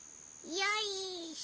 よいしょ。